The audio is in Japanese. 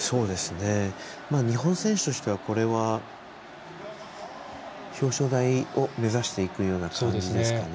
日本選手としては、これは表彰台を目指していくような感じですかね。